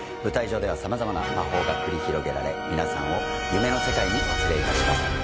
舞台上では様々な魔法が繰り広げられ皆さんを夢の世界にお連れいたします